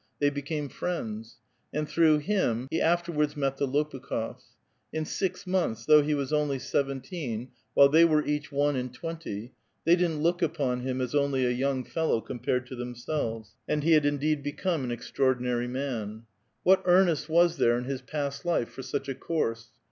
They became friends ; and through him he afterwards met the Lopukh6fs. In six months, though he was only seventeen, while they were each Aie and twenty, Ihey didn't look upon him as only a young fellow compared to themselves ; and he had indeed become an extraordinary man. What earnest was there in his past life for such a course